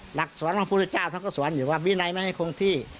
หลักสวนของพระพุทธเจ้าทั้งกระสวนหรือว่าวินัยไม่ให้คงที่